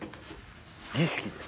儀式です